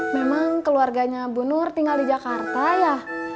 memang keluarganya bunur tinggal di jakarta ya